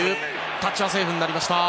タッチはセーフになりました。